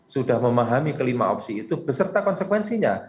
sudah memahami kelima opsi itu beserta konsekuensinya